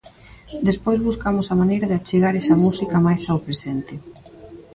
Despois buscamos a maneira de achegar esa música máis ao presente.